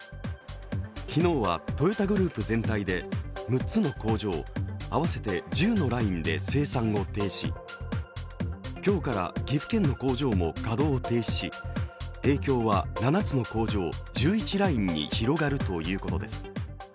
昨日はトヨタグループ全体で６つの工場合わせて１０のラインで生産を停止、今日から岐阜県の工場も稼働を停止し影響は７つの工場１１ラインに広がるということです。